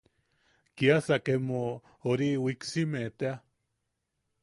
Kiasak emo... ori... wiksiime tea...